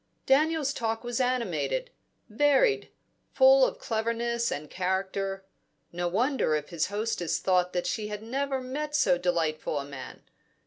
Daniel's talk was animated, varied, full of cleverness and character. No wonder if his hostess thought that she had never met so delightful a man.